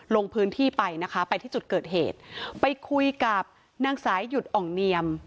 ลงพื้นที่ไปนะคะไปที่จุดเกิดเหตุไปคุยกับนางสายหยุดอ่องเนียม